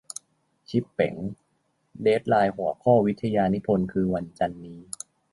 ชิปเป๋ง เดดไลน์หัวข้อวิทยานิพนธ์คือวันจันทร์นี้ !